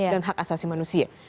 dan hak asasi manusia